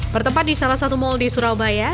bertempat di salah satu mal di surabaya